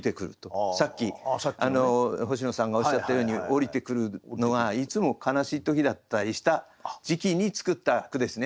さっき星野さんがおっしゃったように降りてくるのがいつも悲しい時だったりした時期に作った句ですね